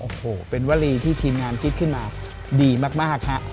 โอ้โหเป็นวลีที่ทีมงานคิดขึ้นมาดีมากฮะ